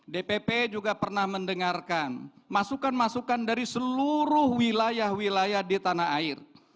dpp juga pernah mendengarkan masukan masukan dari seluruh wilayah wilayah di tanah air